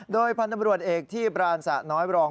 โดยพันธบรวจเอกที่บราณสะน้อยรอง